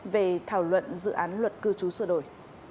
về thảo luận dự án luật cư trú sửa đổi